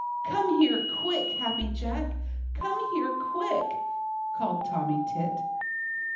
Come here quick, Happy Jack! Come here quick!" called Tommy Tit.